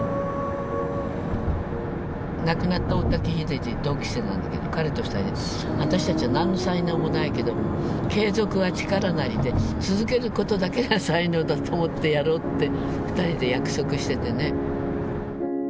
亡くなった大滝秀治同期生なんだけど彼と２人で「私たちは何の才能もないけど『継続は力なり』で続けることだけが才能だと思ってやろう」って２人で約束しててね。